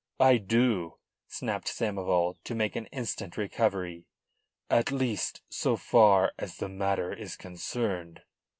"I do," snapped Samoval, to make an instant recovery: "at least so far as the matter is concerned."